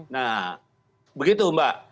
nah begitu mbak